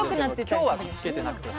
今日はつけてなくて。